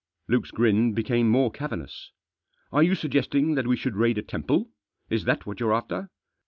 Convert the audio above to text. Luke's grin became more cavernous. " Are you suggesting that we should raid a temple ; is that what you're after?"